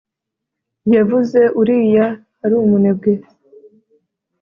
yavuze uriya ari umunebwe